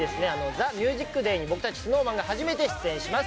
『ＴＨＥＭＵＳＩＣＤＡＹ』に僕たちＳｎｏｗＭａｎが初めて出演します。